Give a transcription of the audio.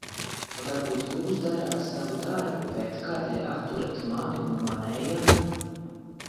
Varbūt jūs darāt savu darbu, bet kādēļ atturat mani no manējā?